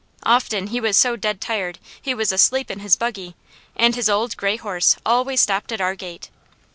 Often he was so dead tired, he was asleep in his buggy, and his old gray horse always stopped at our gate.